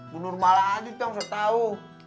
benar malah adik yang saya tahu